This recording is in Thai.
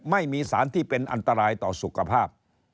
ไม่มีสารที่เป็นอันตรายต่อสุขภาพ